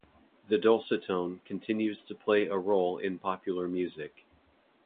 The dulcitone continues to play a role in popular music.